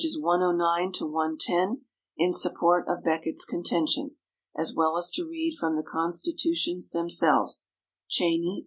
109 110) in support of Becket's contention, as well as to read from the Constitutions themselves (Cheyney, pp.